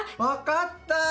分かった！